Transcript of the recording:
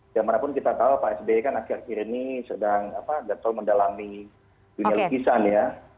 gimanapun kita tahu pak sby kan akhir akhir ini sedang nggak tahu mendalami dunia lukisan ya